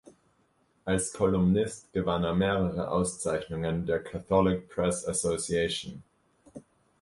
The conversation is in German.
Als Kolumnist gewann er mehrere Auszeichnungen der Catholic Press Association.